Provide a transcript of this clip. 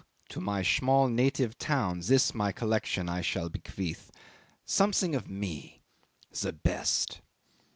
To my small native town this my collection I shall bequeath. Something of me. The best."